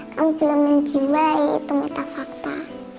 kamu belum menjiwai itu mata fakta